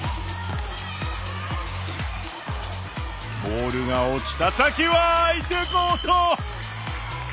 ボールが落ちた先は相手コート！